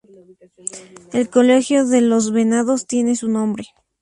El colegio de Los Venados tiene su nombre.